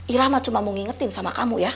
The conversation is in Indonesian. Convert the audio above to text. irah mah cuma mau ngingetin sama kamu ya